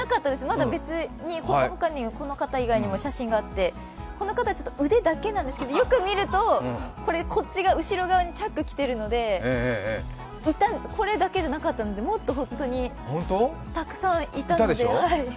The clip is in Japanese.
まだ別に、この方以外にも写真があって、この方は腕だけなんですがよく見ると後ろ側にチャックを着てたのでこれだけじゃなかったのでもっと本当に、たくさんいたので。